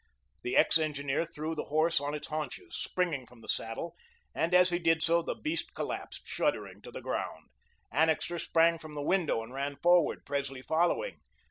The ex engineer threw the horse on its haunches, springing from the saddle; and, as he did so, the beast collapsed, shuddering, to the ground. Annixter sprang from the window, and ran forward, Presley following.